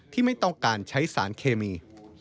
ไม่ต้องการใช้สารเคมี